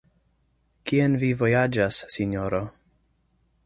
Kien vi vojaĝas, Sinjoro?